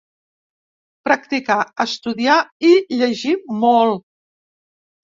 Practicar, estudiar i llegir molt.